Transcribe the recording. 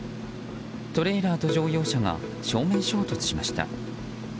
トレーラーと乗用車が正面衝突しました。